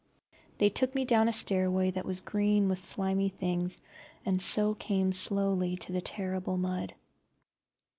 They took me down a stairway that was green with slimy things, and so came slowly to the terrible mud.